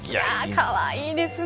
かわいいですね。